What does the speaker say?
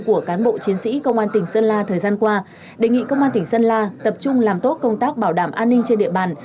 của cán bộ chiến sĩ công an tỉnh sơn la thời gian qua đề nghị công an tỉnh sơn la tập trung làm tốt công tác bảo đảm an ninh trên địa bàn